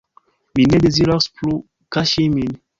Mi ne deziras plu kaŝi min.